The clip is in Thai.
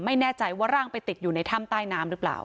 ไม่แน่ใจว่าร่างไปติดอยู่ในถ้ำใต้น้ำหรือเปล่า